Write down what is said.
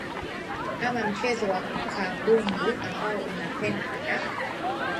ama mchezo wa kabumbu ambao unapendwa na